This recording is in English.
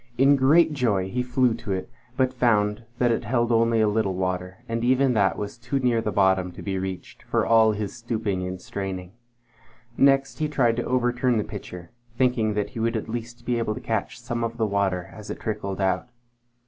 In great joy he flew to it, but found that it held only a little water, and even that was too near the bottom to be reached, for all his stooping and straining. Next he tried to overturn the pitcher, thinking that he would at least be able to catch some of the water as it trickled out.